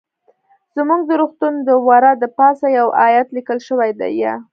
زموږ د روغتون د وره د پاسه يو ايت ليکل شوى ديه.